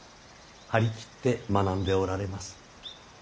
張り切って学んでおられます。